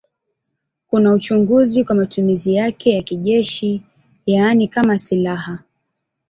Kuna uchunguzi kwa matumizi yake ya kijeshi, yaani kama silaha.